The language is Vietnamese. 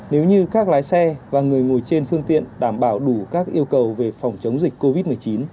nếu như các lái xe và người ngồi trên phương tiện đảm bảo đủ các yêu cầu về phòng chống dịch covid một mươi chín